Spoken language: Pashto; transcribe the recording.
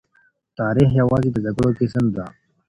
تاريخ يوازې د جګړو کيسه نه ده.